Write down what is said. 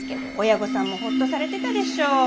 親御さんもほっとされてたでしょう。